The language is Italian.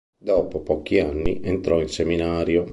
Dopo pochi anni entrò in seminario.